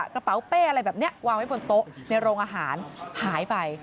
กระเป๋าเป้อะไรแบบนี้วางไว้บนโต๊ะในโรงอาหารหายไป